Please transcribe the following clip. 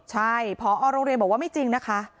ใช่พอโรงเรียนบอกว่าไม่จริงนะคะ